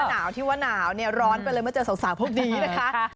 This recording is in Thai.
หนาวที่ว่าหนาวเนี่ยร้อนไปเลยเมื่อเจอสาวพวกนี้นะคะ